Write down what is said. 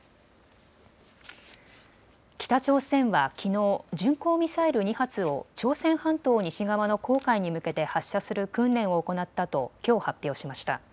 北朝鮮はきのう、巡航ミサイル２発を朝鮮半島西側の黄海に向けて発射する訓練を行ったときょう発表しました。